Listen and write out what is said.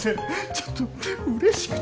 ちょっとうれしくて。